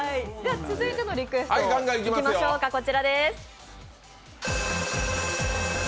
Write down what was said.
続いてのリクエストいきましょうか、こちらです。